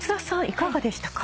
いかがでしたか？